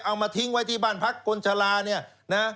เอามาทิ้งไว้ที่บ้านพักคนชะลาเนี่ยนะ